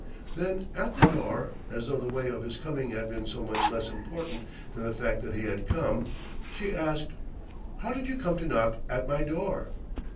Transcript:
Then, at the door, as though the way of his coming had been so much less important than the fact that he had come, she asked: "How did you come to knock at my door?"